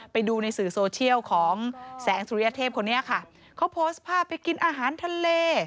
ไปดูในสื่อโซเชียลของแสงสุริยเทพคนนี้ค่ะเขาโพสต์ภาพไปกินอาหารทะเล